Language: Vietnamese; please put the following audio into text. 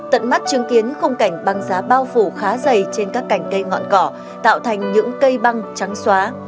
tận mắt chứng kiến khung cảnh băng giá bao phủ khá dày trên các cành cây ngọn cỏ tạo thành những cây băng trắng xóa